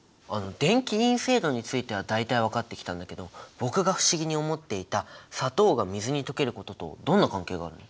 電気陰性度については大体分かってきたんだけど僕が不思議に思っていた砂糖が水に溶けることとどんな関係があるの？